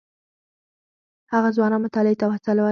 هغه ځوانان مطالعې ته وهڅول.